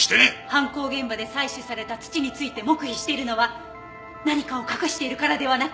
犯行現場で採取された土について黙秘しているのは何かを隠しているからではなく。